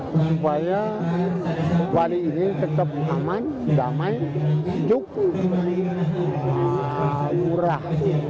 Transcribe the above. supaya bali ini tetap aman damai cukup murah